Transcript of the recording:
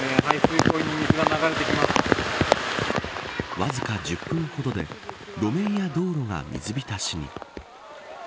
わずか１０分ほどで路面や道路が水浸しに。